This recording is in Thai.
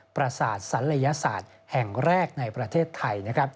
ประสาทศัลยศาสตร์แห่งแรกในประเทศไทย